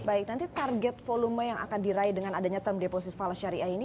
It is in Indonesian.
baik nanti target volume yang akan diraih dengan adanya term deposit falas syariah ini